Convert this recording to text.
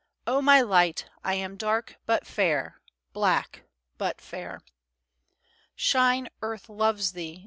O my light, I am dark but fair, Black but fair. Shine, Earth loves thee!